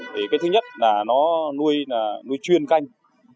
thì cái thứ nhất là nó nuôi chuyên canh